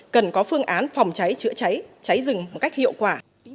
cần có phương án phòng cháy chữa cháy cháy rừng một cách hiệu quả